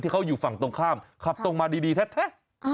เขาอยู่ฝั่งตรงข้ามขับตรงมาดีแท้